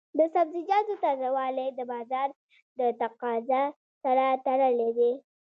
د سبزیجاتو تازه والی د بازار د تقاضا سره تړلی دی.